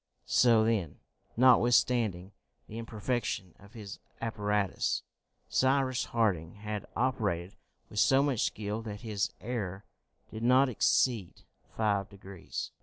So then, notwithstanding the imperfection of his apparatus, Cyrus Harding had operated with so much skill that his error did not exceed five degrees.